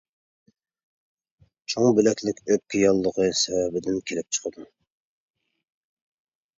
چوڭ بۆلەكلىك ئۆپكە ياللۇغى سەۋەبىدىن كېلىپ چىقىدۇ.